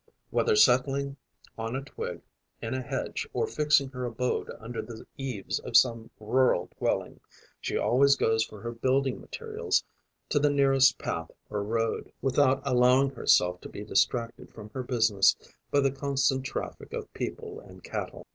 Whether settling on a twig in a hedge or fixing her abode under the eaves of some rural dwelling, she always goes for her building materials to the nearest path or road, without allowing herself to be distracted from her business by the constant traffic of people and cattle.